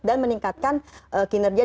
dan meningkatkan kinerja